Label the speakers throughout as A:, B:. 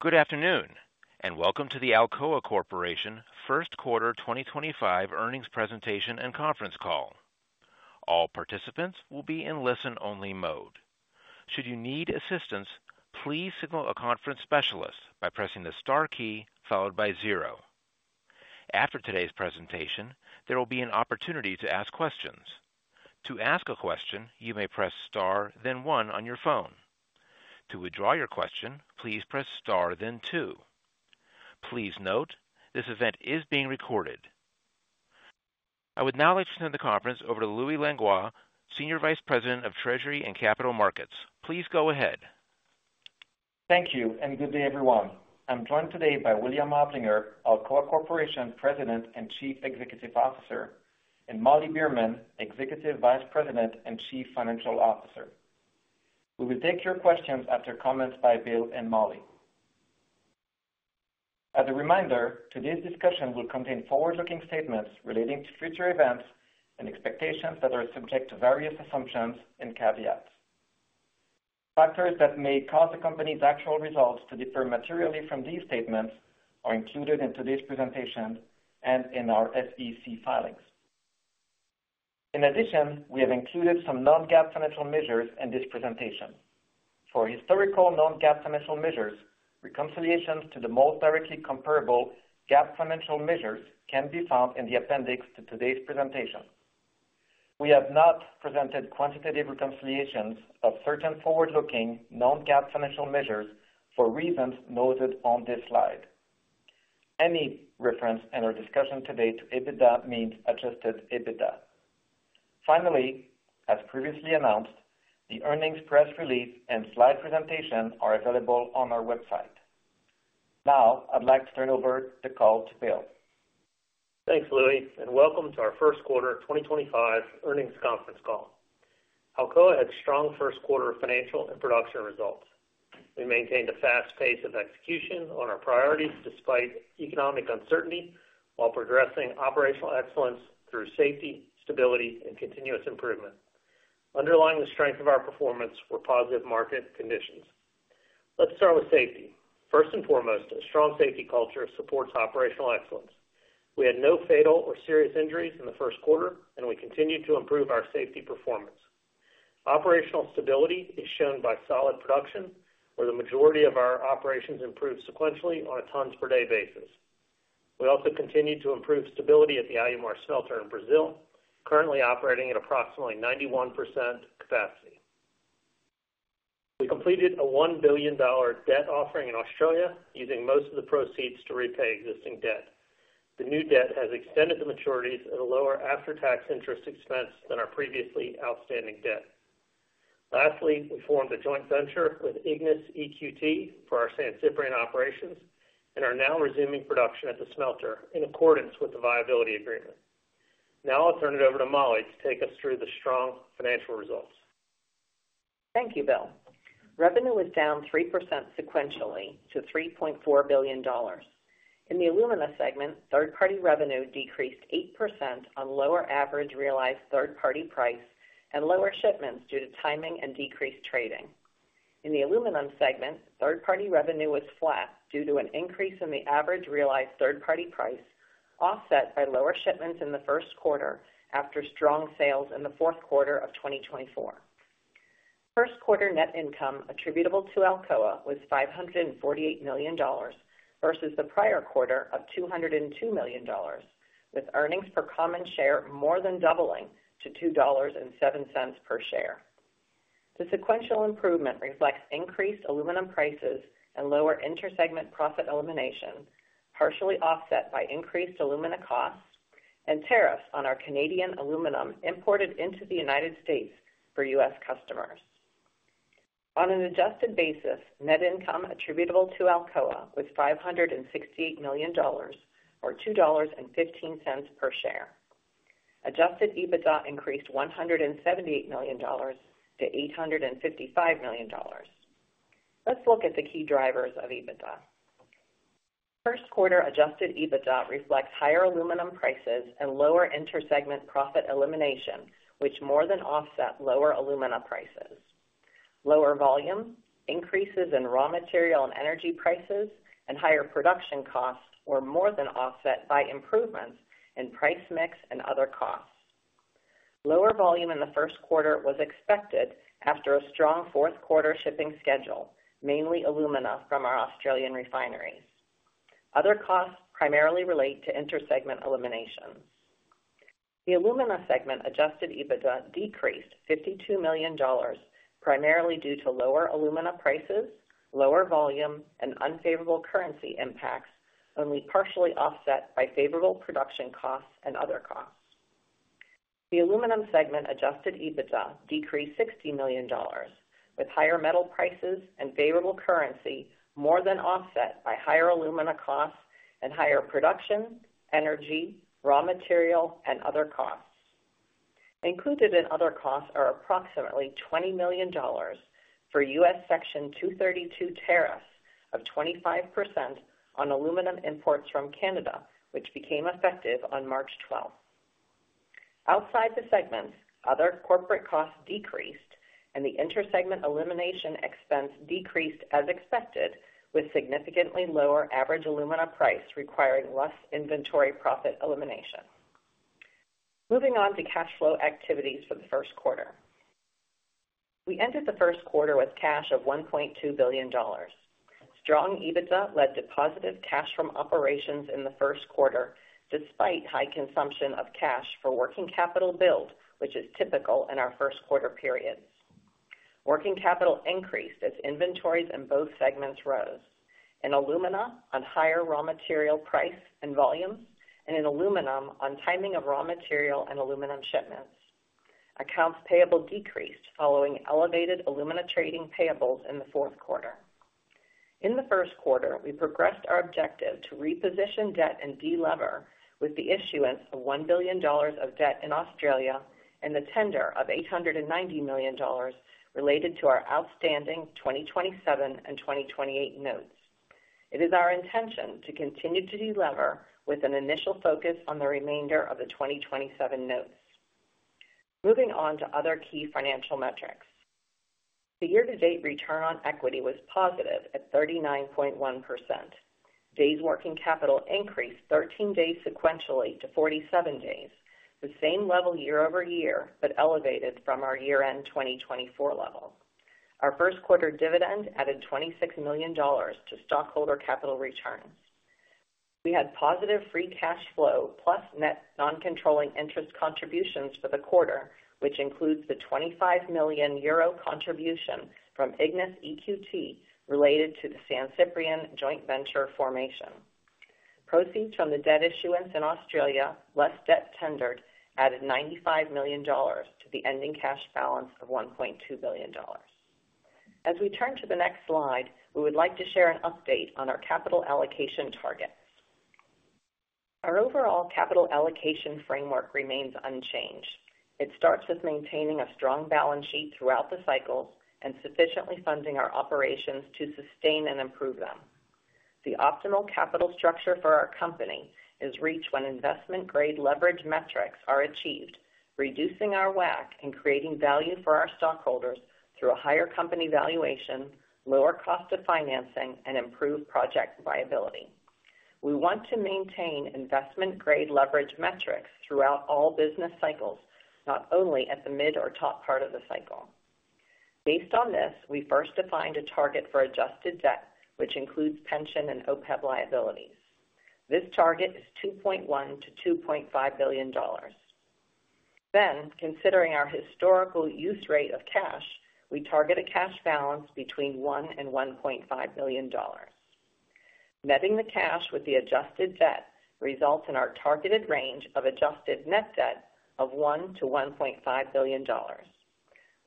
A: Good afternoon, and welcome to the Alcoa Corporation First Quarter 2025 Earnings Presentation and Conference Call. All participants will be in listen-only mode. Should you need assistance, please signal a conference specialist by pressing the star key followed by zero. After today's presentation, there will be an opportunity to ask questions. To ask a question, you may press star, then one on your phone. To withdraw your question, please press star, then two. Please note, this event is being recorded. I would now like to turn the conference over to Louis Langlois, Senior Vice President of Treasury and Capital Markets. Please go ahead.
B: Thank you, and good day, everyone. I'm joined today by William Oplinger, Alcoa Corporation President and Chief Executive Officer, and Molly Beerman, Executive Vice President and Chief Financial Officer. We will take your questions after comments by Bill and Molly. As a reminder, today's discussion will contain forward-looking statements relating to future events and expectations that are subject to various assumptions and caveats. Factors that may cause the company's actual results to differ materially from these statements are included in today's presentation and in our SEC filings. In addition, we have included some non-GAAP financial measures in this presentation. For historical non-GAAP financial measures, reconciliations to the most directly comparable GAAP financial measures can be found in the appendix to today's presentation. We have not presented quantitative reconciliations of certain forward-looking non-GAAP financial measures for reasons noted on this slide. Any reference in our discussion today to EBITDA means adjusted EBITDA. Finally, as previously announced, the earnings press release and slide presentation are available on our website. Now, I'd like to turn over the call to Bill.
C: Thanks, Louis, and welcome to our First Quarter 2025 earnings conference call. Alcoa had strong first quarter financial and production results. We maintained a fast pace of execution on our priorities despite economic uncertainty while progressing operational excellence through safety, stability, and continuous improvement. Underlying the strength of our performance were positive market conditions. Let's start with safety. First and foremost, a strong safety culture supports operational excellence. We had no fatal or serious injuries in the first quarter, and we continued to improve our safety performance. Operational stability is shown by solid production, where the majority of our operations improved sequentially on a tons per day basis. We also continued to improve stability at the Alumar smelter in Brazil, currently operating at approximately 91% capacity. We completed a $1 billion debt offering in Australia, using most of the proceeds to repay existing debt. The new debt has extended the maturities at a lower after-tax interest expense than our previously outstanding debt. Lastly, we formed a joint venture with IGNIS EQT for our San Ciprián operations and are now resuming production at the smelter in accordance with the viability agreement. Now, I'll turn it over to Molly to take us through the strong financial results.
D: Thank you, Bill. Revenue was down 3% sequentially to $3.4 billion. In the Alumina segment, third-party revenue decreased 8% on lower average realized third-party price and lower shipments due to timing and decreased trading. In the Aluminum segment, third-party revenue was flat due to an increase in the average realized third-party price offset by lower shipments in the first quarter after strong sales in the fourth quarter of 2024. First quarter net income attributable to Alcoa was $548 million versus the prior quarter of $202 million, with earnings per common share more than doubling to $2.07 per share. The sequential improvement reflects increased aluminum prices and lower intersegment profit elimination, partially offset by increased alumina costs and tariffs on our Canadian aluminum imported into the United States for U.S. customers. On an adjusted basis, net income attributable to Alcoa was $568 million or $2.15 per share. Adjusted EBITDA increased $178 million to $855 million. Let's look at the key drivers of EBITDA. First quarter adjusted EBITDA reflects higher aluminum prices and lower intersegment profit elimination, which more than offset lower alumina prices. Lower volume, increases in raw material and energy prices, and higher production costs were more than offset by improvements in price mix and other costs. Lower volume in the first quarter was expected after a strong fourth quarter shipping schedule, mainly alumina from our Australian refineries. Other costs primarily relate to intersegment eliminations. The Alumina segment adjusted EBITDA decreased $52 million, primarily due to lower alumina prices, lower volume, and unfavorable currency impacts, only partially offset by favorable production costs and other costs. The Aluminum segment adjusted EBITDA decreased $60 million, with higher metal prices and favorable currency more than offset by higher alumina costs and higher production, energy, raw material, and other costs. Included in other costs are approximately $20 million for U.S. Section 232 tariffs of 25% on aluminum imports from Canada, which became effective on March 12. Outside the segments, other corporate costs decreased, and the intersegment elimination expense decreased as expected, with significantly lower average alumina price requiring less inventory profit elimination. Moving on to cash flow activities for the first quarter. We entered the first quarter with cash of $1.2 billion. Strong EBITDA led to positive cash from operations in the first quarter, despite high consumption of cash for working capital build, which is typical in our first quarter periods. Working capital increased as inventories in both segments rose. In Alumina, on higher raw material price and volumes, and in Aluminum, on timing of raw material and aluminum shipments. Accounts payable decreased following elevated alumina trading payables in the fourth quarter. In the first quarter, we progressed our objective to reposition debt and de-lever with the issuance of $1 billion of debt in Australia and the tender of $890 million related to our outstanding 2027 and 2028 notes. It is our intention to continue to de-lever with an initial focus on the remainder of the 2027 notes. Moving on to other key financial metrics. The year-to-date return on equity was positive at 39.1%. Days working capital increased 13 days sequentially to 47 days, the same level year over year, but elevated from our year-end 2024 level. Our first quarter dividend added $26 million to stockholder capital returns. We had positive free cash flow plus net non-controlling interest contributions for the quarter, which includes the 25 million euro contribution from IGNIS EQT related to the San Ciprián joint venture formation. Proceeds from the debt issuance in Australia, less debt tendered, added $95 million to the ending cash balance of $1.2 billion. As we turn to the next slide, we would like to share an update on our capital allocation targets. Our overall capital allocation framework remains unchanged. It starts with maintaining a strong balance sheet throughout the cycles and sufficiently funding our operations to sustain and improve them. The optimal capital structure for our company is reached when investment-grade leverage metrics are achieved, reducing our WACC and creating value for our stockholders through a higher company valuation, lower cost of financing, and improved project viability. We want to maintain investment-grade leverage metrics throughout all business cycles, not only at the mid or top part of the cycle. Based on this, we first defined a target for adjusted debt, which includes pension and OPEB liabilities. This target is $2.1 billion-$2.5 billion. Then, considering our historical use rate of cash, we target a cash balance between $1 billion and $1.5 billion. Netting the cash with the adjusted debt results in our targeted range of adjusted net debt of $1 billion-$1.5 billion.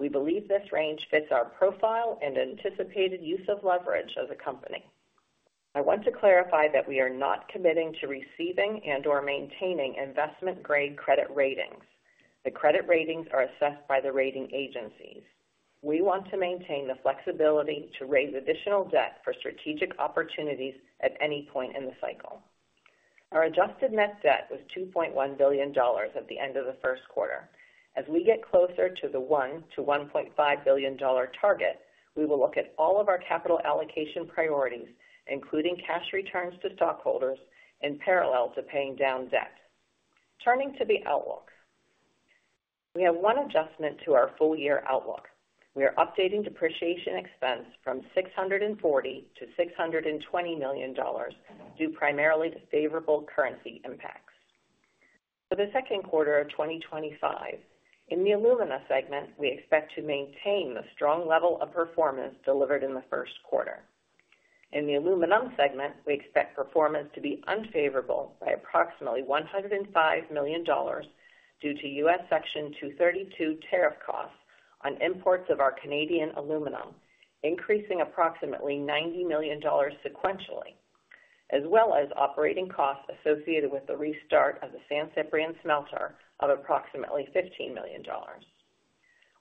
D: We believe this range fits our profile and anticipated use of leverage as a company. I want to clarify that we are not committing to receiving and/or maintaining investment-grade credit ratings. The credit ratings are assessed by the rating agencies. We want to maintain the flexibility to raise additional debt for strategic opportunities at any point in the cycle. Our adjusted net debt was $2.1 billion at the end of the first quarter. As we get closer to the $1 billion-$1.5 billion target, we will look at all of our capital allocation priorities, including cash returns to stockholders in parallel to paying down debt. Turning to the outlook, we have one adjustment to our full-year outlook. We are updating depreciation expense from $640 million to $620 million due primarily to favorable currency impacts. For the second quarter of 2025, in the Alumina segment, we expect to maintain the strong level of performance delivered in the first quarter. In the Aluminum segment, we expect performance to be unfavorable by approximately $105 million due to U.S. Section 232 tariff costs on imports of our Canadian aluminum, increasing approximately $90 million sequentially, as well as operating costs associated with the restart of the San Ciprián smelter of approximately $15 million.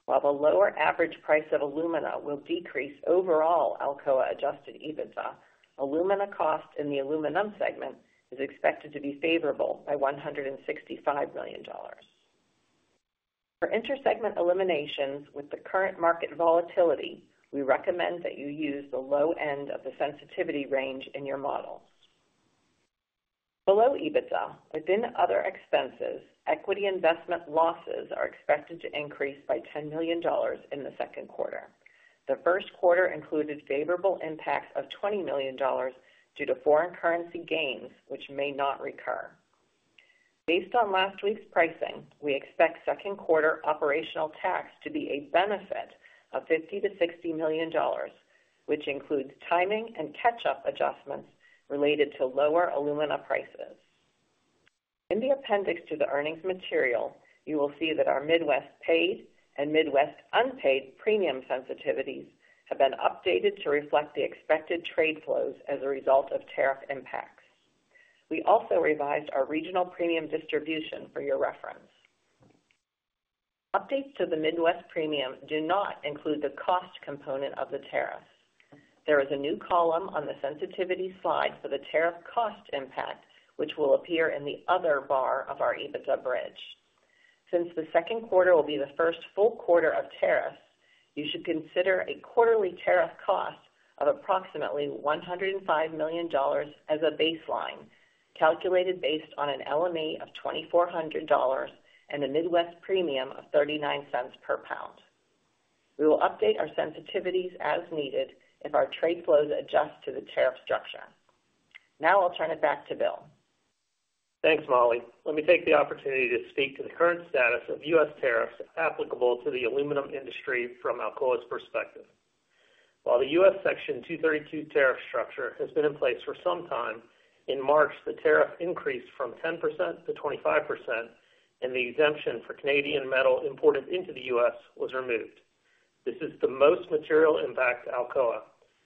D: While the lower average price of alumina will decrease overall Alcoa adjusted EBITDA, alumina cost in the Aluminum segment is expected to be favorable by $165 million. For intersegment eliminations with the current market volatility, we recommend that you use the low end of the sensitivity range in your model. Below EBITDA, within other expenses, equity investment losses are expected to increase by $10 million in the second quarter. The first quarter included favorable impacts of $20 million due to foreign currency gains, which may not recur. Based on last week's pricing, we expect second quarter operational tax to be a benefit of $50 million-$60 million, which includes timing and catch-up adjustments related to lower alumina prices. In the Appendix to the earnings material, you will see that our Midwest paid and Midwest unpaid premium sensitivities have been updated to reflect the expected trade flows as a result of tariff impacts. We also revised our regional premium distribution for your reference. Updates to the Midwest premium do not include the cost component of the tariffs. There is a new column on the sensitivity slide for the tariff cost impact, which will appear in the other bar of our EBITDA bridge. Since the second quarter will be the first full quarter of tariffs, you should consider a quarterly tariff cost of approximately $105 million as a baseline, calculated based on an LME of $2,400 and a Midwest premium of $0.39 per pound. We will update our sensitivities as needed if our trade flows adjust to the tariff structure. Now, I'll turn it back to Bill.
C: Thanks, Molly. Let me take the opportunity to speak to the current status of U.S. tariffs applicable to the aluminum industry from Alcoa's perspective. While the U.S. Section 232 tariff structure has been in place for some time, in March, the tariff increased from 10% to 25%, and the exemption for Canadian metal imported into the U.S. was removed. This is the most material impact to Alcoa,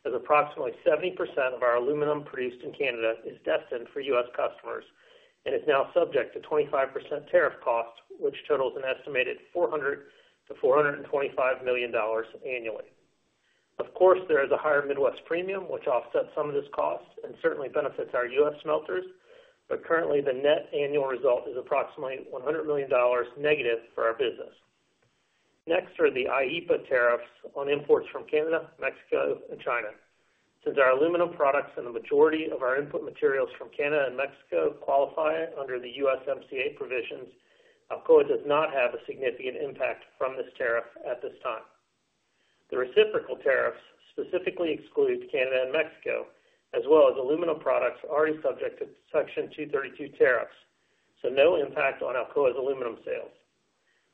C: as approximately 70% of our aluminum produced in Canada is destined for U.S. customers and is now subject to 25% tariff cost, which totals an estimated $400 million-$425 million annually. Of course, there is a higher Midwest Premium, which offsets some of this cost and certainly benefits our U.S. smelters, but currently, the net annual result is approximately $100 million negative for our business. Next are the IEEPA tariffs on imports from Canada, Mexico, and China. Since our aluminum products and the majority of our input materials from Canada and Mexico qualify under the USMCA provisions, Alcoa does not have a significant impact from this tariff at this time. The reciprocal tariffs specifically exclude Canada and Mexico, as well as aluminum products already subject to Section 232 tariffs, so no impact on Alcoa's aluminum sales.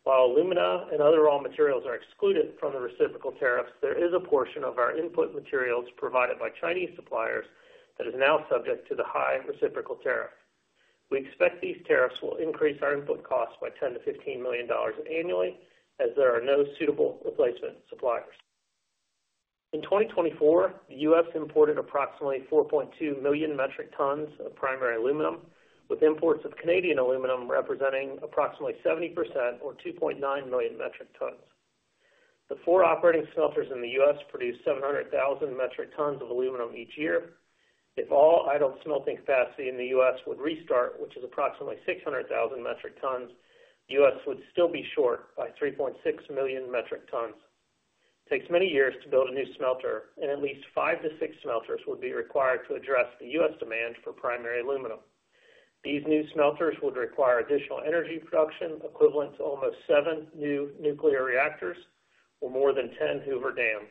C: While aluminum and other raw materials are excluded from the reciprocal tariffs, there is a portion of our input materials provided by Chinese suppliers that is now subject to the high reciprocal tariff. We expect these tariffs will increase our input costs by $10 million-$15 million annually, as there are no suitable replacement suppliers. In 2024, the U.S. imported approximately 4.2 million metric tons of primary aluminum, with imports of Canadian aluminum representing approximately 70% or 2.9 million metric tons. The four operating smelters in the U.S. Produce 700,000 metric tons of aluminum each year. If all idle smelting capacity in the U.S. would restart, which is approximately 600,000 metric tons, the U.S. would still be short by 3.6 million metric tons. It takes many years to build a new smelter, and at least five to six smelters would be required to address the U.S. demand for primary aluminum. These new smelters would require additional energy production equivalent to almost seven new nuclear reactors or more than ten Hoover dams.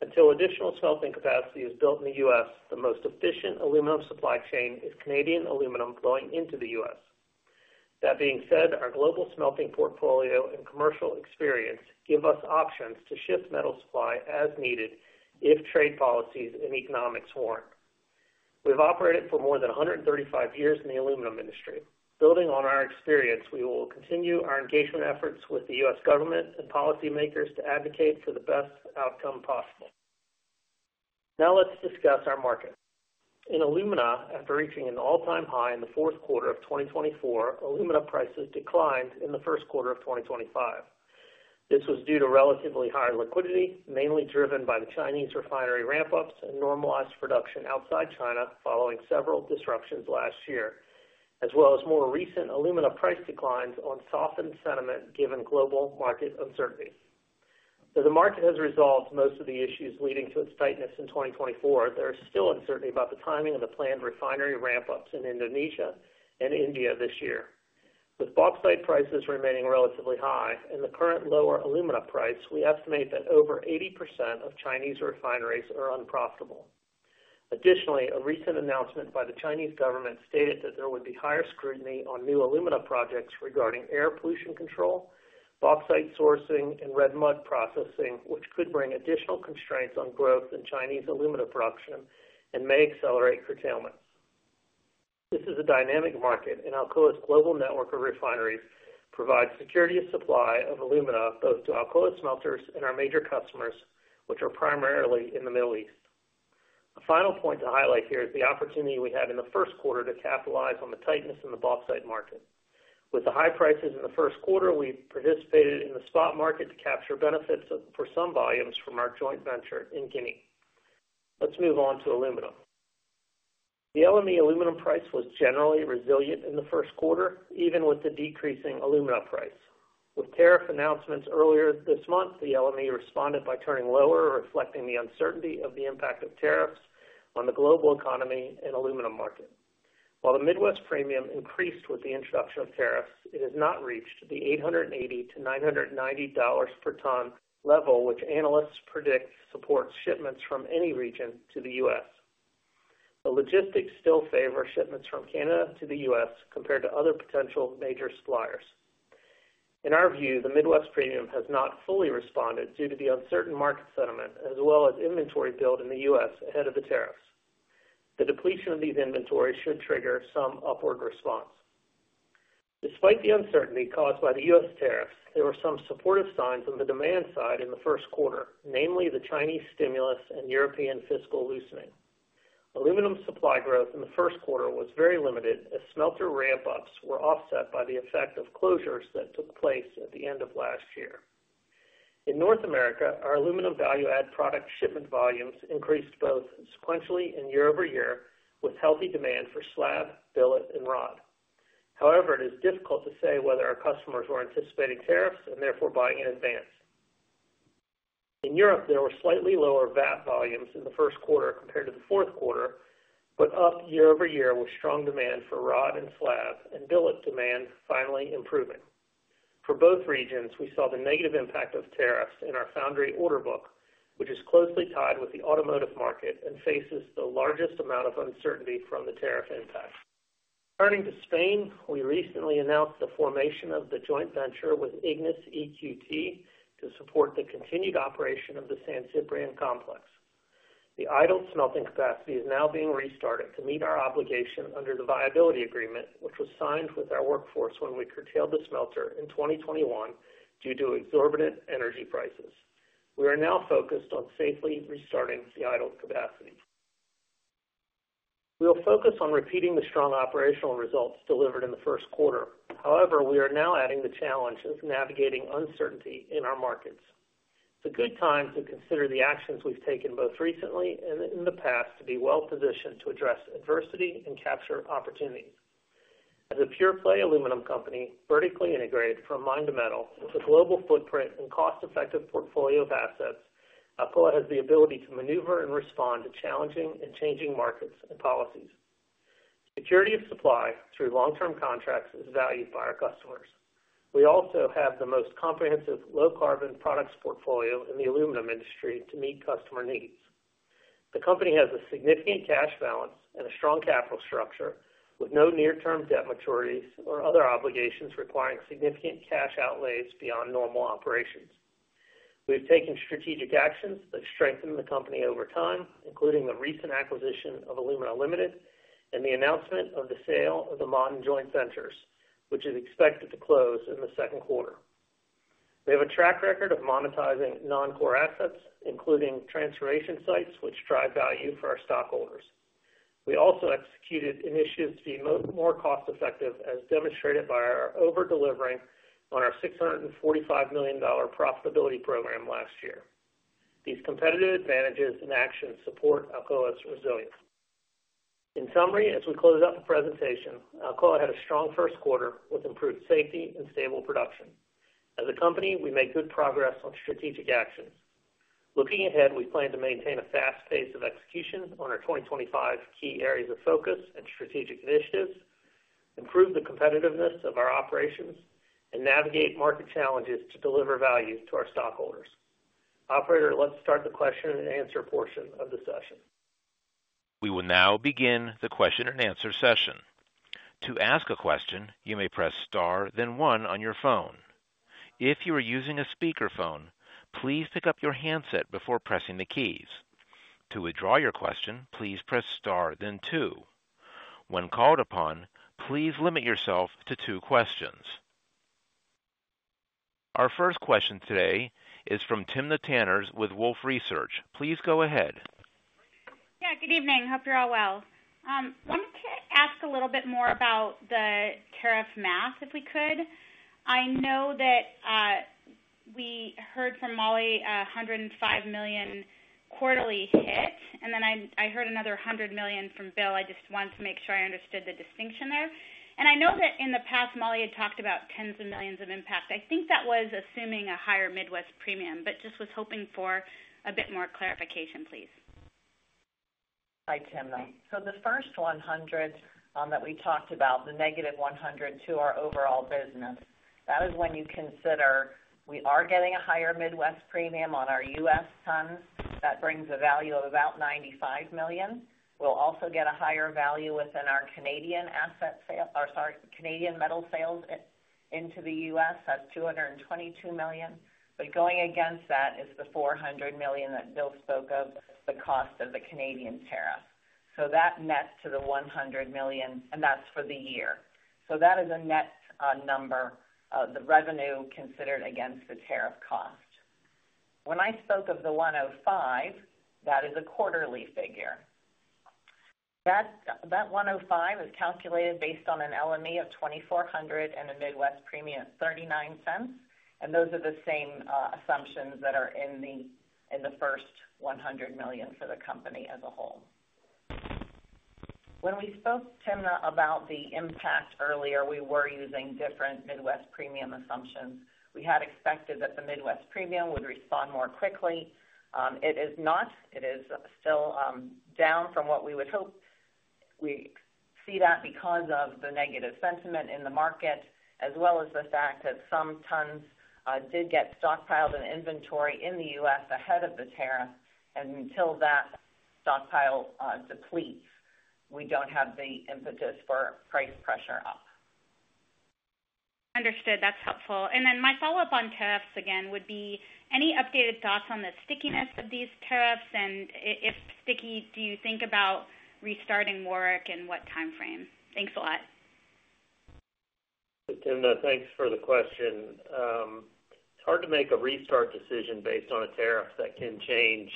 C: Until additional smelting capacity is built in the U.S., the most efficient aluminum supply chain is Canadian aluminum flowing into the U.S. That being said, our global smelting portfolio and commercial experience give us options to shift metal supply as needed if trade policies and economics warrant. We have operated for more than 135 years in the aluminum industry. Building on our experience, we will continue our engagement efforts with the U.S. government and policymakers to advocate for the best outcome possible. Now, let's discuss our market. In alumina, after reaching an all-time high in the fourth quarter of 2024, aluminum prices declined in the first quarter of 2025. This was due to relatively higher liquidity, mainly driven by the Chinese refinery ramp-ups and normalized production outside China following several disruptions last year, as well as more recent aluminum price declines on softened sentiment given global market uncertainty. Though the market has resolved most of the issues leading to its tightness in 2024, there is still uncertainty about the timing of the planned refinery ramp-ups in Indonesia and India this year. With bauxite prices remaining relatively high and the current lower aluminum price, we estimate that over 80% of Chinese refineries are unprofitable. Additionally, a recent announcement by the Chinese government stated that there would be higher scrutiny on new alumina projects regarding air pollution control, bauxite sourcing, and red mud processing, which could bring additional constraints on growth in Chinese alumina production and may accelerate curtailment. This is a dynamic market, and Alcoa's global network of refineries provides security of supply of alumina both to Alcoa smelters and our major customers, which are primarily in the Middle East. A final point to highlight here is the opportunity we had in the first quarter to capitalize on the tightness in the bauxite market. With the high prices in the first quarter, we participated in the spot market to capture benefits for some volumes from our joint venture in Guinea. Let's move on to aluminum. The LME aluminum price was generally resilient in the first quarter, even with the decreasing alumina price. With tariff announcements earlier this month, the LME responded by turning lower, reflecting the uncertainty of the impact of tariffs on the global economy and aluminum market. While the Midwest premium increased with the introduction of tariffs, it has not reached the $880-$990 per ton level, which analysts predict supports shipments from any region to the U.S. The logistics still favor shipments from Canada to the U.S. compared to other potential major suppliers. In our view, the Midwest premium has not fully responded due to the uncertain market sentiment, as well as inventory build in the U.S. ahead of the tariffs. The depletion of these inventories should trigger some upward response. Despite the uncertainty caused by the U.S. tariffs, there were some supportive signs on the demand side in the first quarter, namely the Chinese stimulus and European fiscal loosening. Aluminum supply growth in the first quarter was very limited, as smelter ramp-ups were offset by the effect of closures that took place at the end of last year. In North America, our aluminum value-add product shipment volumes increased both sequentially and year-over-year, with healthy demand for slab, billet, and rod. However, it is difficult to say whether our customers were anticipating tariffs and therefore buying in advance. In Europe, there were slightly lower value-add product volumes in the first quarter compared to the fourth quarter, but up year-over-year with strong demand for rod and slab and billet demand finally improving. For both regions, we saw the n`egative impact of tariffs in our foundry order book, which is closely tied with the automotive market and faces the largest amount of uncertainty from the tariff impact. Turning to Spain, we recently announced the formation of the joint venture with IGNIS EQT to support the continued operation of the San Ciprián complex. The idle smelting capacity is now being restarted to meet our obligation under the viability agreement, which was signed with our workforce when we curtailed the smelter in 2021 due to exorbitant energy prices. We are now focused on safely restarting the idle capacity. We will focus on repeating the strong operational results delivered in the first quarter. However, we are now adding the challenge of navigating uncertainty in our markets. It's a good time to consider the actions we've taken both recently and in the past to be well-positioned to address adversity and capture opportunities. As a pure-play aluminum company vertically integrated from mine to metal with a global footprint and cost-effective portfolio of assets, Alcoa has the ability to maneuver and respond to challenging and changing markets and policies. Security of supply through long-term contracts is valued by our customers. We also have the most comprehensive low-carbon products portfolio in the aluminum industry to meet customer needs. The company has a significant cash balance and a strong capital structure with no near-term debt maturities or other obligations requiring significant cash outlays beyond normal operations. We have taken strategic actions that strengthen the company over time, including the recent acquisition of Alumina Limited and the announcement of the sale of the Ma'aden Joint Ventures, which is expected to close in the second quarter. We have a track record of monetizing non-core assets, including transformation sites, which drive value for our stockholders. We also executed initiatives to be more cost-effective, as demonstrated by our over-delivering on our $645 million profitability program last year. These competitive advantages and actions support Alcoa's resilience. In summary, as we close out the presentation, Alcoa had a strong first quarter with improved safety and stable production. As a company, we make good progress on strategic actions. Looking ahead, we plan to maintain a fast pace of execution on our 2025 key areas of focus and strategic initiatives, improve the competitiveness of our operations, and navigate market challenges to deliver value to our stockholders. Operator, let's start the question and answer portion of the session.
A: We will now begin the question and answer session. To ask a question, you may press star, then one on your phone. If you are using a speakerphone, please pick up your handset before pressing the keys. To withdraw your question, please press star, then two. When called upon, please limit yourself to two questions. Our first question today is from Timna Tanners with Wolfe Research. Please go ahead.
E: Yeah, good evening. Hope you're all well. I wanted to ask a little bit more about the tariff math, if we could. I know that we heard from Molly a $105 million quarterly hit, and then I heard another $100 million from Bill. I just wanted to make sure I understood the distinction there. I know that in the past, Molly had talked about tens of millions of impact. I think that was assuming a higher Midwest Premium, but just was hoping for a bit more clarification, please.
D: Hi, Timna. The first $100 that we talked about, the negative $100 to our overall business, that is when you consider we are getting a higher Midwest Premium on our U.S. tons. That brings a value of about $95 million. We will also get a higher value within our Canadian metal sales into the U.S. that is $222 million. Going against that is the $400 million that Bill spoke of, the cost of the Canadian tariff. That nets to the $100 million, and that is for the year. That is a net number of the revenue considered against the tariff cost. When I spoke of the $105, that is a quarterly figure. That $105 is calculated based on an LME of $2,400 and a Midwest Premium of $0.39, and those are the same assumptions that are in the first $100 million for the company as a whole. When we spoke, Timna, about the impact earlier, we were using different Midwest Premium assumptions. We had expected that the Midwest Premium would respond more quickly. It is not. It is still down from what we would hope. We see that because of the negative sentiment in the market, as well as the fact that some tons did get stockpiled in inventory in the U.S. ahead of the tariff. Until that stockpile depletes, we do not have the impetus for price pressure up.
E: Understood. That's helpful. My follow-up on tariffs again would be any updated thoughts on the stickiness of these tariffs? If sticky, do you think about restarting work and what timeframe? Thanks a lot.
C: Timna, thanks for the question. It's hard to make a restart decision based on a tariff that can change,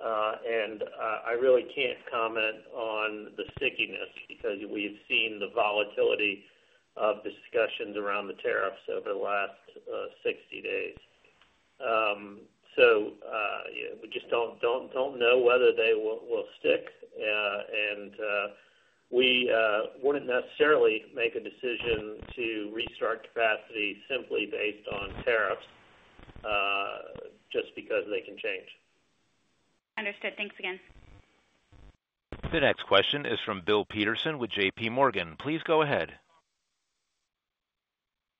C: and I really can't comment on the stickiness because we've seen the volatility of discussions around the tariffs over the last 60 days. We just don't know whether they will stick, and we wouldn't necessarily make a decision to restart capacity simply based on tariffs just because they can change.
E: Understood. Thanks again.
A: The next question is from Bill Peterson with JPMorgan. Please go ahead.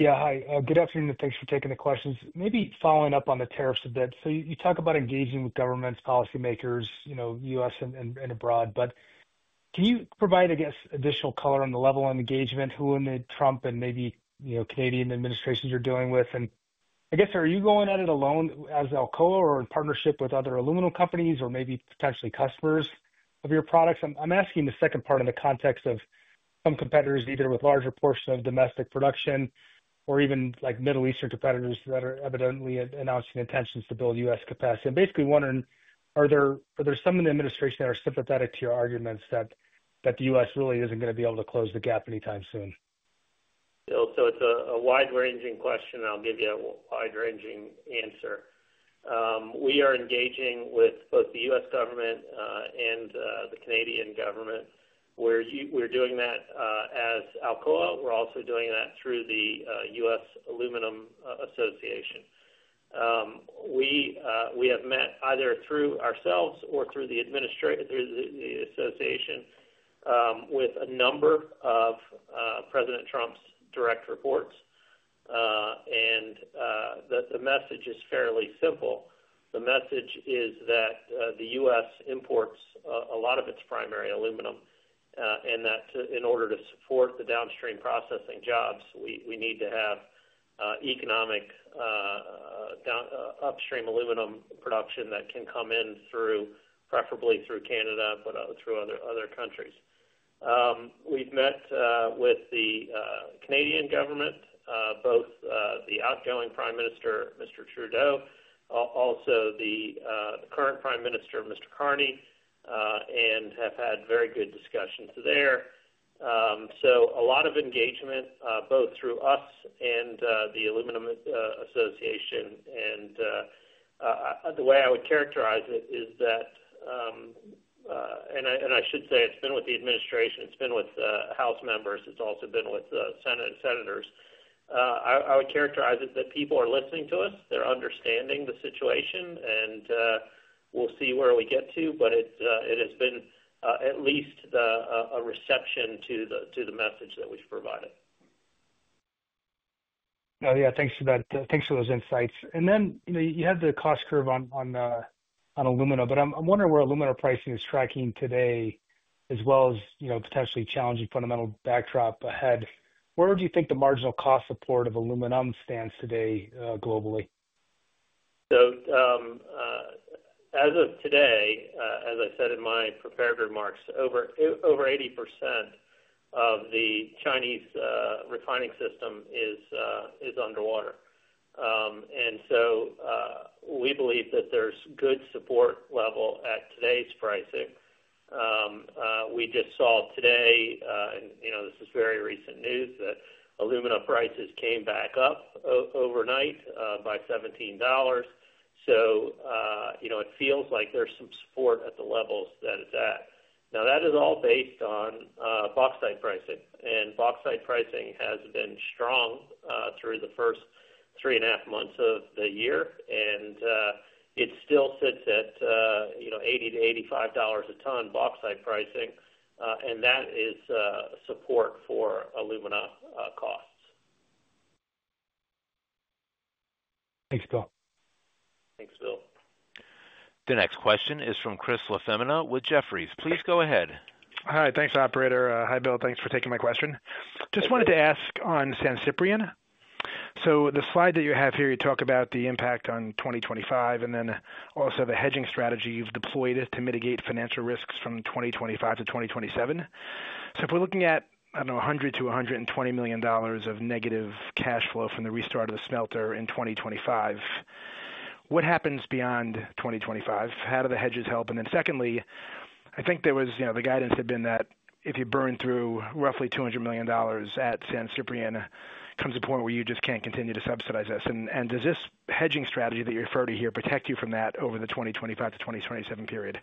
F: Yeah, hi. Good afternoon, and thanks for taking the questions. Maybe following up on the tariffs a bit. You talk about engaging with governments, policymakers, U.S. and abroad, but can you provide, I guess, additional color on the level of engagement, who in the Trump and maybe Canadian administrations you're dealing with? I guess, are you going at it alone as Alcoa or in partnership with other aluminum companies or maybe potentially customers of your products? I'm asking the second part in the context of some competitors, either with larger portions of domestic production or even Middle Eastern competitors that are evidently announcing intentions to build U.S. capacity. I'm basically wondering, are there some in the administration that are sympathetic to your arguments that the U.S. really isn't going to be able to close the gap anytime soon?
C: Bill, it's a wide-ranging question, and I'll give you a wide-ranging answer. We are engaging with both the U.S. government and the Canadian government. We're doing that as Alcoa. We're also doing that through the U.S. Aluminum Association. We have met either through ourselves or through the association, with a number of President Trump's direct reports. The message is fairly simple. The message is that the U.S. imports a lot of its primary aluminum and that in order to support the downstream processing jobs, we need to have economic upstream aluminum production that can come in preferably through Canada but through other countries. We've met with the Canadian government, both the outgoing Prime Minister, Mr. Trudeau, also the current Prime Minister, Mr. Carney, and have had very good discussions there. A lot of engagement, both through us and the Aluminum Association. The way I would characterize it is that, and I should say it's been with the administration, it's been with House members, it's also been with Senate senators. I would characterize it that people are listening to us. They're understanding the situation, and we'll see where we get to, but it has been at least a reception to the message that we've provided.
F: Yeah, thanks for those insights. You had the cost curve on alumina, but I'm wondering where alumina `pricing is tracking today, as well as potentially challenging fundamental backdrop ahead. Where would you think the marginal cost support of aluminum stands today globally?
C: As of today, as I said in my prepared remarks, over 80% of the Chinese refining system is underwater. We believe that there's good support level at today's pricing. We just saw today, and this is very recent news, that alumina prices came back up overnight by $17. It feels like there's some support at the levels that it's at. Now, that is all based on bauxite pricing. Bauxite pricing has been strong through the first three and a half months of the year, and it still sits at $80-$85 a ton bauxite pricing, and that is support for alumina costs.
F: Thanks, Bill.
C: Thanks, Bill.
A: The next question is from Chris LaFemina with Jefferies. Please go ahead.
G: Hi, thanks, Operator. Hi, Bill. Thanks for taking my question. Just wanted to ask on San Ciprián. The slide that you have here, you talk about the impact on 2025 and then also the hedging strategy you've deployed to mitigate financial risks from 2025 to 2027. If we're looking at, I don't know, $100 million-$120 million of negative cash flow from the restart of the smelter in 2025, what happens beyond 2025? How do the hedges help? Secondly, I think the guidance had been that if you burn through roughly $200 million at San Ciprián, it comes to a point where you just can't continue to subsidize this. Does this hedging strategy that you refer to here protect you from that over the 2025 to 2027 period?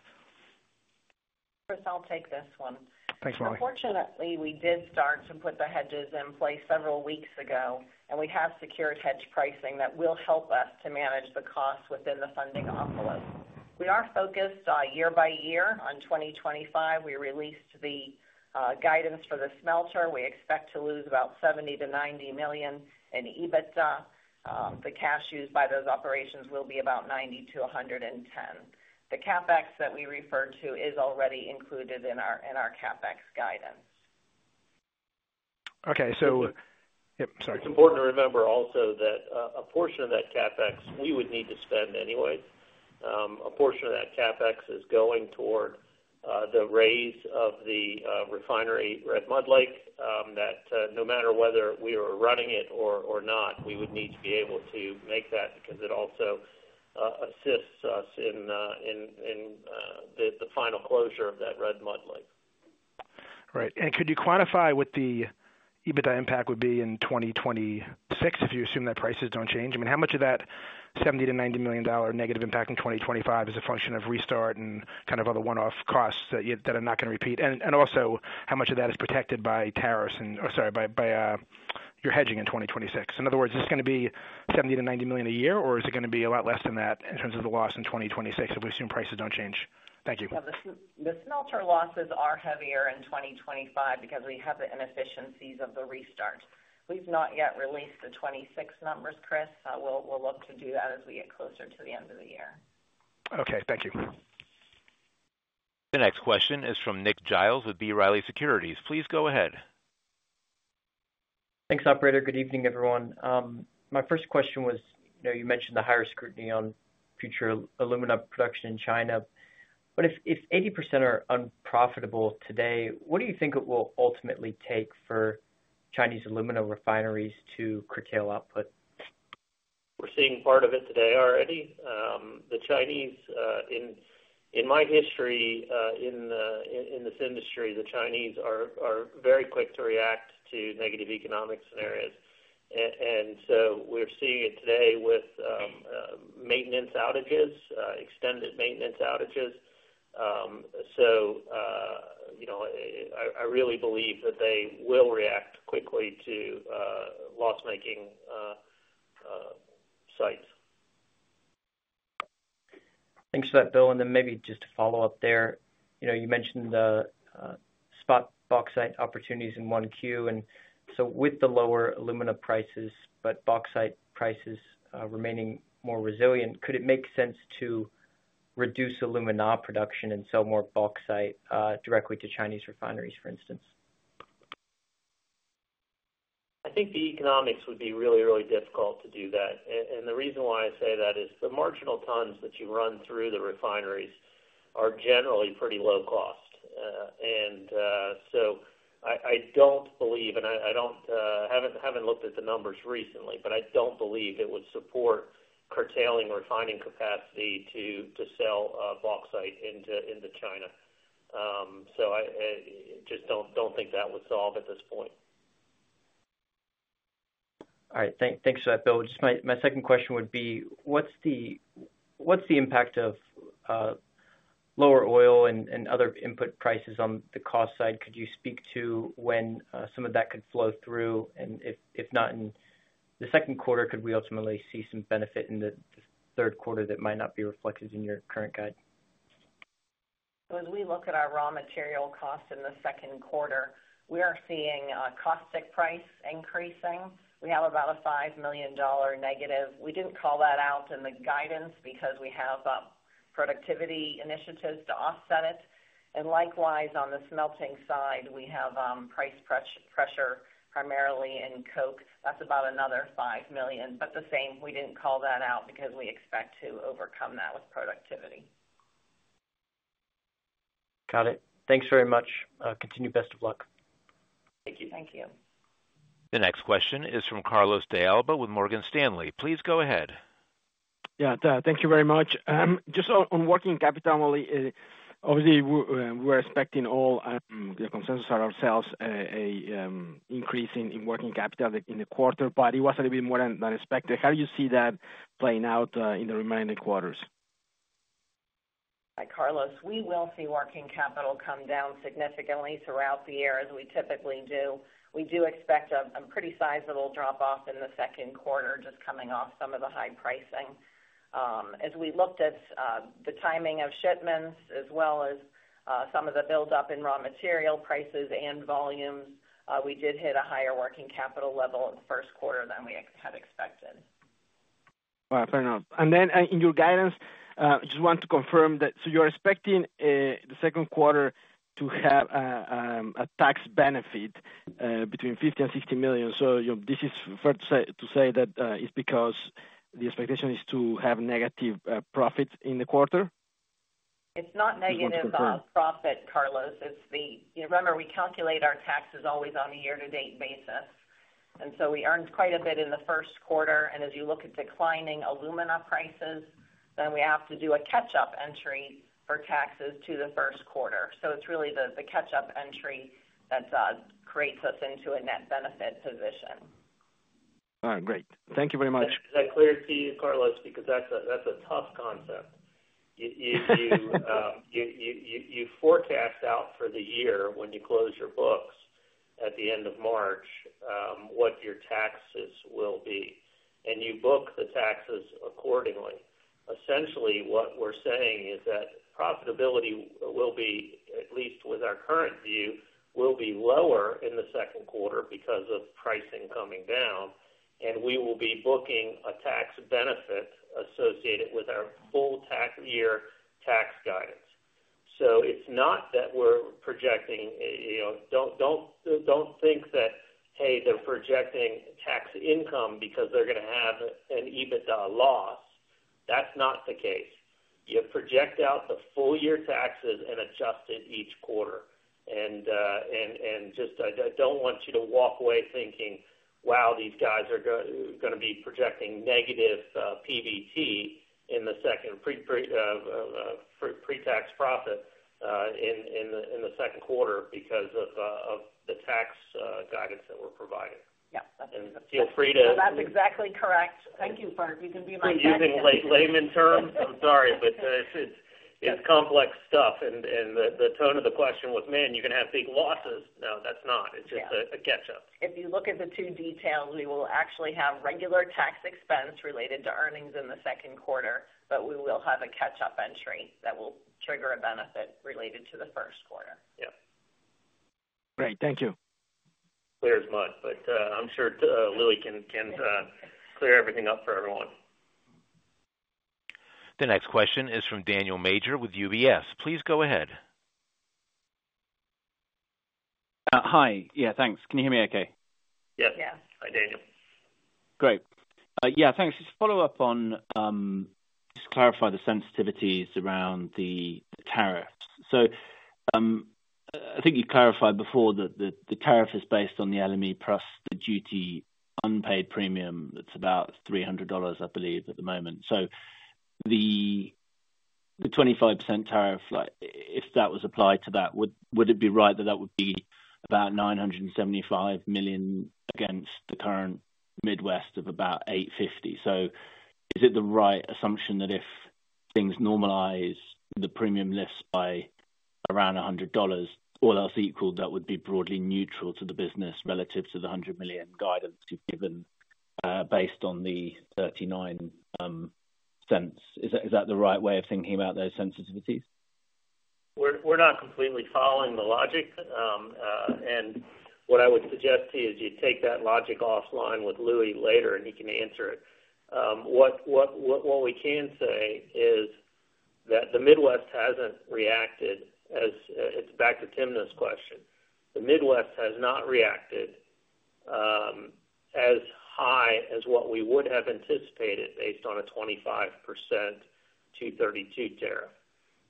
D: Chris, I'll take this one.
C: Thanks, Molly.
D: Unfortunately, we did start to put the hedges in place several weeks ago, and we have secured hedge pricing that will help us to manage the costs within the funding off of us. We are focused year by year. On 2025, we released the guidance for the smelter. We expect to lose about $70 million-$90 million, and EBITDA, the cash used by those operations, will be about $90 million-$110 million. The CapEx that we referred to is already included in our CapEx guidance.
G: Okay.
C: It is important to remember also that a portion of that CapEx we would need to spend anyway. A portion of that CapEx is going toward the raise of the refinery Red Mud Lake that no matter whether we are running it or not, we would need to be able to make that because it also assists us in the final closure of that Red Mud Lake.
G: Right. Could you quantify what the EBITDA impact would be in 2026 if you assume that prices do not change? I mean, how much of that $70 million-$90 million negative impact in 2025 is a function of restart and kind of other one-off costs that are not going to repeat? Also, how much of that is protected by tariffs and, sorry, by your hedging in 2026? In other words, is this going to be $70 million-$90 million a year, or is it going to be a lot less than that in terms of the loss in 2026 if we assume prices do not change? Thank you.
D: The smelter losses are heavier in 2025 because we have the inefficiencies of the restart. We've not yet released the 2026 numbers, Chris. We'll look to do that as we get closer to the end of the year.
G: Okay. Thank you.
A: The next question is from Nick Giles with B. Riley Securities. Please go ahead.
H: Thanks, Operator. Good evening, everyone. My first question was, you mentioned the higher scrutiny on future alumina production in China. If 80% are unprofitable today, what do you think it will ultimately take for Chinese alumina refineries to curtail output?
C: We're seeing part of it today already. The Chinese, in my history in this industry, the Chinese are very quick to react to negative economic scenarios. We're seeing it today with maintenance outages, extended maintenance outages. I really believe that they will react quickly to loss-making sites.
H: Thanks for that, Bill. Maybe just to follow up there, you mentioned spot bauxite opportunities in one queue. With the lower alumina prices but bauxite prices remaining more resilient, could it make sense to reduce alumina production and sell more bauxite directly to Chinese refineries, for instance?
C: I think the economics would be really, really difficult to do that. The reason why I say that is the marginal tons that you run through the refineries are generally pretty low cost. I don't believe, and I haven't looked at the numbers recently, but I don't believe it would support curtailing refining capacity to sell bauxite into China. I just don't think that would solve at this point.
H: All right. Thanks for that, Bill. Just my second question would be, what's the impact of lower oil and other input prices on the cost side? Could you speak to when some of that could flow through? If not in the second quarter, could we ultimately see some benefit in the third quarter that might not be reflected in your current guide?
D: As we look at our raw material costs in the second quarter, we are seeing caustic price increasing. We have about a $5 million negative. We did not call that out in the guidance because we have productivity initiatives to offset it. Likewise, on the smelting side, we have price pressure primarily in coke. That is about another $5 million, but the same. We did not call that out because we expect to overcome that with productivity.
H: Got it. Thanks very much. Continue best of luck.
C: Thank you.
D: Thank you.
A: The next question is from Carlos De Alba with Morgan Stanley. Please go ahead.
I: Yeah. Thank you very much. Just on working capital, obviously, we were expecting all the consensus on ourselves an increase in working capital in the quarter, but it was a little bit more than expected. How do you see that playing out in the remaining quarters?
D: Hi, Carlos. We will see working capital come down significantly throughout the year as we typically do. We do expect a pretty sizable drop-off in the second quarter just coming off some of the high pricing. As we looked at the timing of shipments as well as some of the build-up in raw material prices and volumes, we did hit a higher working capital level in the first quarter than we had expected.
I: Fair enough. In your guidance, I just want to confirm that you're expecting the second quarter to have a tax benefit between $50 million and $60 million. This is fair to say that it's because the expectation is to have negative profits in the quarter?
D: It's not negative profit, Carlos. It's the remember, we calculate our taxes always on a year-to-date basis. We earned quite a bit in the first quarter. As you look at declining alumina prices, we have to do a catch-up entry for taxes to the first quarter. It's really the catch-up entry that creates us into a net benefit position.
I: All right. Great. Thank you very much.
C: Is that clear to you, Carlos? Because that's a tough concept. You forecast out for the year when you close your books at the end of March what your taxes will be, and you book the taxes accordingly. Essentially, what we're saying is that profitability will be, at least with our current view, will be lower in the second quarter because of pricing coming down, and we will be booking a tax benefit associated with our full year tax guidance. It's not that we're projecting, don't think that, hey, they're projecting tax income because they're going to have an EBITDA loss. That's not the case. You project out the full year taxes and adjust it each quarter. I don't want you to walk away thinking, "Wow, these guys are going to be projecting negative PBT in the second, pretax profit in the second quarter because of the tax guidance that we're providing.
D: Yep. That's exactly correct.
C: Feel free to.
D: That's exactly correct. Thank you, sir. You can be my coach.
C: You're using layman terms. I'm sorry, but it's complex stuff. The tone of the question was, "Man, you're going to have big losses." No, that's not. It's just a catch-up.
D: If you look at the two details, we will actually have regular tax expense related to earnings in the second quarter, but we will have a catch-up entry that will trigger a benefit related to the first quarter.
C: Yep.
I: Great. Thank you.
C: Clear as mud, but I'm sure Lily can clear everything up for everyone.
A: The next question is from Daniel Major with UBS. Please go ahead.
J: Hi. Yeah, thanks. Can you hear me okay?
C: Yes.
D: Yes.
C: Hi, Daniel.
J: Great. Yeah, thanks. Just to follow up on just clarify the sensitivities around the tariffs. I think you clarified before that the tariff is based on the LME plus the duty unpaid premium. It's about $300, I believe, at the moment. The 25% tariff, if that was applied to that, would it be right that that would be about $975 million against the current Midwest of about $850? Is it the right assumption that if things normalize, the premium lifts by around $100, all else equal, that would be broadly neutral to the business relative to the $100 million guidance you've given based on the $0.39? Is that the right way of thinking about those sensitivities?
C: We're not completely following the logic. What I would suggest to you is you take that logic offline with Louis later, and he can answer it. What we can say is that the Midwest hasn't reacted as it's back to Timna's question. The Midwest has not reacted as high as what we would have anticipated based on a 25% to $32 tariff.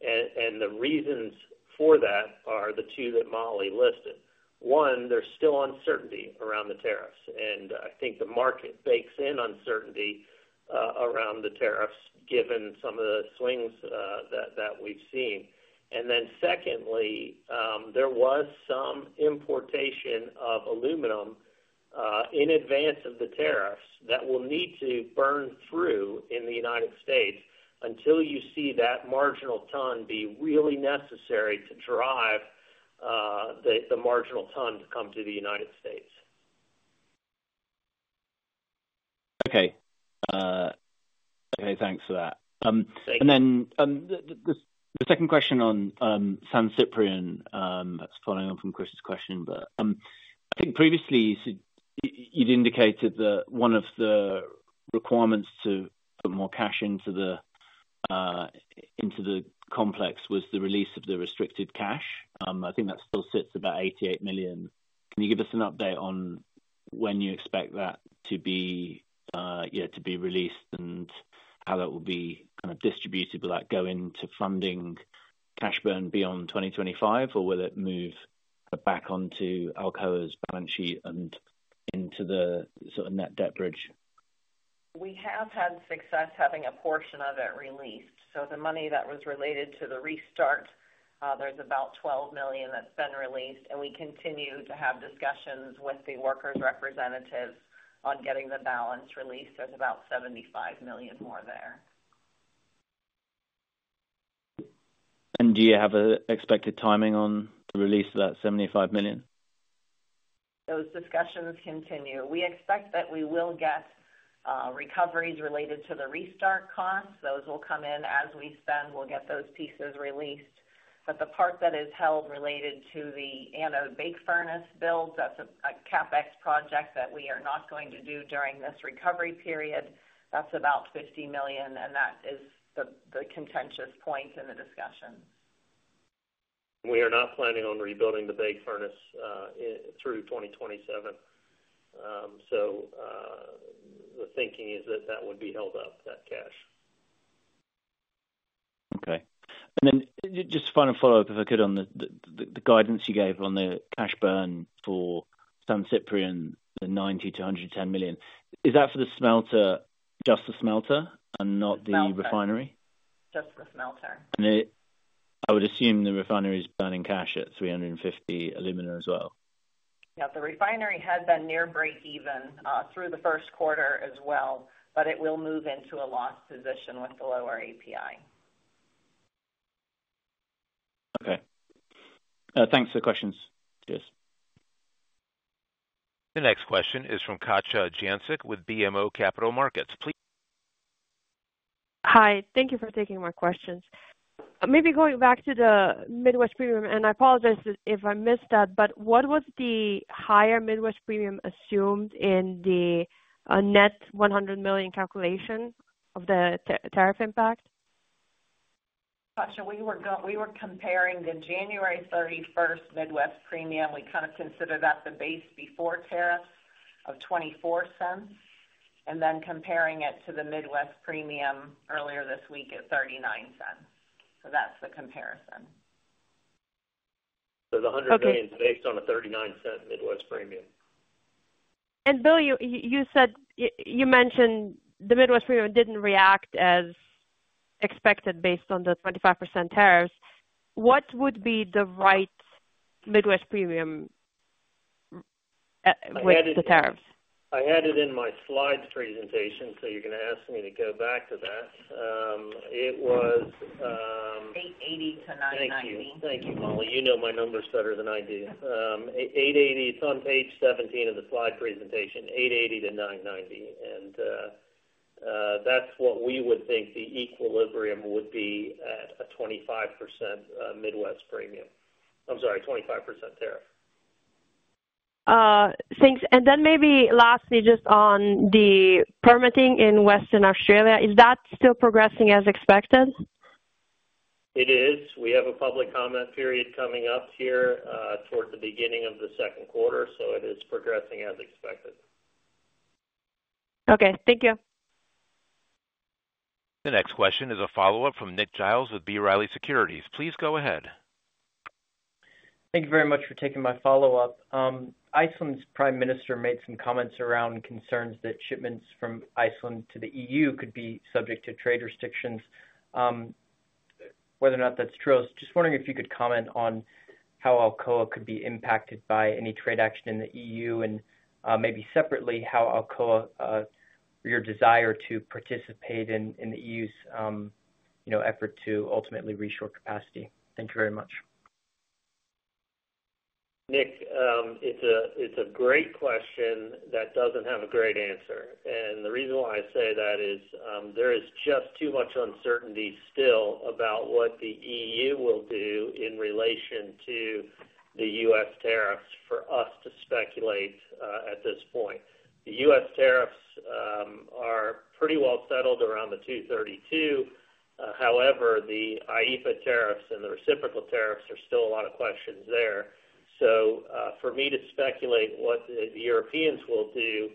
C: The reasons for that are the two that Molly listed. One, there's still uncertainty around the tariffs, and I think the market bakes in uncertainty around the tariffs given some of the swings that we've seen. Secondly, there was some importation of aluminum in advance of the tariffs that will need to burn through in the United States until you see that marginal ton be really necessary to drive the marginal ton to come to the United States.
J: Okay. Okay. Thanks for that.
C: Thank you.
J: The second question on San Ciprián, that's following on from Chris' question, but I think previously you'd indicated that one of the requirements to put more cash into the complex was the release of the restricted cash. I think that still sits at about $88 million. Can you give us an update on when you expect that to be released and how that will be kind of distributed? Will that go into funding cash burn beyond 2025, or will it move back onto Alcoa's balance sheet and into the sort of net debt bridge?
D: We have had success having a portion of it released. The money that was related to the restart, there's about $12 million that's been released. We continue to have discussions with the workers' representatives on getting the balance released. There's about $75 million more there.
J: Do you have an expected timing on the release of that $75 million?
D: Those discussions continue. We expect that we will get recoveries related to the restart costs. Those will come in as we spend. We'll get those pieces released. The part that is held related to the anode bake furnace build, that's a CapEx project that we are not going to do during this recovery period. That's about $50 million, and that is the contentious point in the discussions.
C: We are not planning on rebuilding the bake furnace through 2027. The thinking is that that would be held up, that cash.
J: Okay. Just to follow up, if I could, on the guidance you gave on the cash burn for San Ciprián, the $90 million-$110 million, is that for the smelter, just the smelter, and not the refinery?
D: Just the smelter.
J: I would assume the refinery is burning cash at $350 alumina as well.
D: Yeah. The refinery had been near break-even through the first quarter as well, but it will move into a loss position with the lower API.
J: Okay. Thanks for the questions. Cheers.
A: The next question is from Katja Jancic with BMO Capital Markets. Please.
K: Hi. Thank you for taking my questions. Maybe going back to the Midwest Premium, and I apologize if I missed that, but what was the higher Midwest Premium assumed in the net $100 million calculation of the tariff impact?
D: Katja, we were comparing the January 31st Midwest Premium. We kind of considered that the base before tariffs of $0.24 and then comparing it to the Midwest Premium earlier this week at $0.39. That is the comparison.
C: The $100 million is based on a $0.39 Midwest Premium.
K: Bill, you mentioned the Midwest Premium did not react as expected based on the 25% tariffs. What would be the right Midwest Premium with the tariffs?
C: I had it in my slides presentation, so you're going to ask me to go back to that. It was.
D: $880-$990.
C: Thank you. Thank you, Molly. You know my numbers better than I do. $880. It is on page 17 of the slide presentation, $880-$990. That is what we would think the equilibrium would be at a 25% Midwest Premium. I'm sorry, 25% tariff.
K: Thanks. Maybe lastly, just on the permitting in Western Australia, is that still progressing as expected?
C: It is. We have a public comment period coming up here toward the beginning of the second quarter, so it is progressing as expected.
K: Okay. Thank you.
A: The next question is a follow-up from Nick Giles with B. Riley Securities. Please go ahead.
H: Thank you very much for taking my follow-up. Iceland's Prime Minister made some comments around concerns that shipments from Iceland to the EU could be subject to trade restrictions. Whether or not that's true, I was just wondering if you could comment on how Alcoa could be impacted by any trade action in the EU and maybe separately how Alcoa, your desire to participate in the EU's effort to ultimately reshore capacity. Thank you very much.
C: Nick, it's a great question that doesn't have a great answer. The reason why I say that is there is just too much uncertainty still about what the EU will do in relation to the U.S. tariffs for us to speculate at this point. The U.S. tariffs are pretty well settled around the $232. However, the IEEPA tariffs and the reciprocal tariffs are still a lot of questions there. For me to speculate what the Europeans will do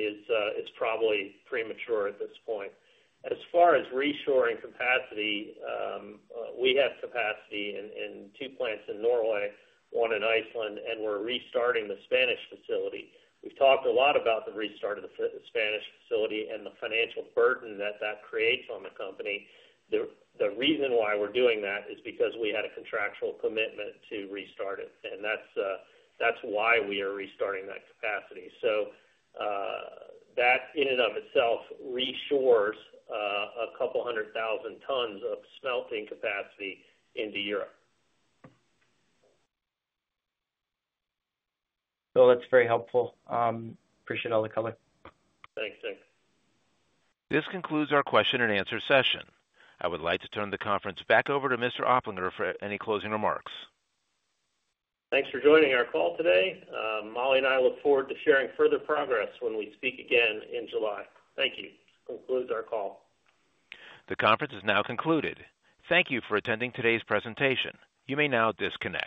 C: is probably premature at this point. As far as reshoring capacity, we have capacity in two plants in Norway, one in Iceland, and we're restarting the Spanish facility. We've talked a lot about the restart of the Spanish facility and the financial burden that that creates on the company. The reason why we're doing that is because we had a contractual commitment to restart it, and that's why we are restarting that capacity. That in and of itself reshores a couple hundred thousand tons of smelting capacity into Europe.
H: That's very helpful. Appreciate all the color.
C: Thanks, Nick.
A: This concludes our question-and-answer session. I would like to turn the conference back over to Mr. Oplinger for any closing remarks.
C: Thanks for joining our call today. Molly and I look forward to sharing further progress when we speak again in July. Thank you. This concludes our call.
A: The conference is now concluded. Thank you for attending today's presentation. You may now disconnect.